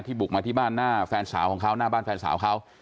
บุกมาที่บ้านหน้าแฟนสาวของเขาหน้าบ้านแฟนสาวเขา